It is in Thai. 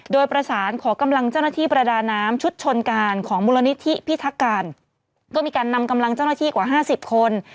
โดยประสานขอกำลังเจ้าหน้าที่ประดาน้ำชุดชนการของมูลนิธิพิทักการก็มีการนำกำลังเจ้าหน้าที่กว่าห้าสิบคน